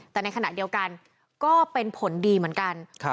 แต่ในขณะเดียวกันก็เป็นผลดีเหมือนกัน